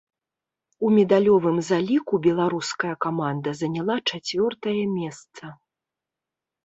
У медалёвым заліку беларуская каманда заняла чацвёртае месца.